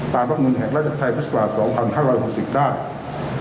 ตามรับหนุนแห่งราชกษัตริย์ไทยภิกษา๒๕๖๐ได้